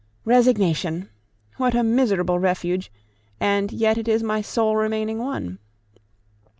Resignation! what a miserable refuge! and yet it is my sole remaining one.